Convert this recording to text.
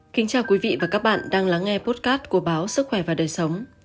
kính chào quý vị và các bạn đang lắng nghe potcat của báo sức khỏe và đời sống